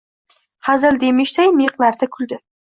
Hazil demishday, miyiqlarida kuldi.